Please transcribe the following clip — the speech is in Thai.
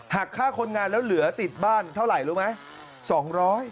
หักค่าคนงานแล้วเหลือติดบ้านเท่าไหร่รู้ไหม